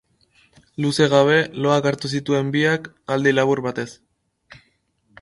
Luze gabe, loak hartu zituen biak, aldi labur batez.